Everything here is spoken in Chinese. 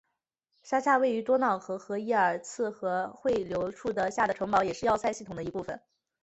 山下位于多瑙河和伊尔茨河汇流处的下城堡也是要塞系统的一部分。